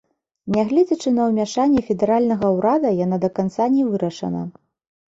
Нягледзячы на ўмяшанне федэральнага ўрада, яна да канца не вырашана.